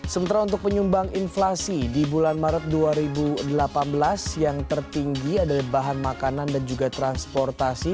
sementara untuk penyumbang inflasi di bulan maret dua ribu delapan belas yang tertinggi adalah bahan makanan dan juga transportasi